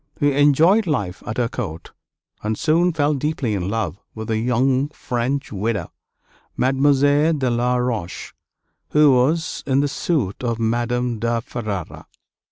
He enjoyed life at her court, and soon fell deeply in love with a young French widow, Mademoiselle de La Roche, who was in the suite of Madame de Ferrara.